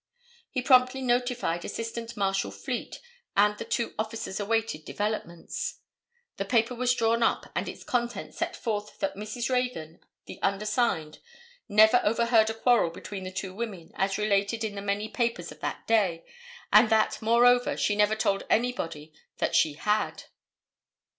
He promptly notified Assistant Marshal Fleet and the two officers awaited developments. The paper was drawn up and its contents set forth that Mrs. Reagan, the undersigned, never overheard a quarrel between the two women as related in the many papers of that day and that moreover she never told anybody that she had.